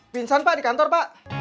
binsan pak di kantor pak